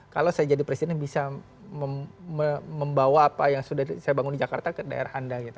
kalau saya jadi presiden bisa membawa apa yang sudah saya bangun di jakarta ke daerah anda gitu